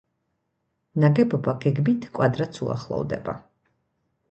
ნაგებობა გეგმით კვადრატს უახლოვდება.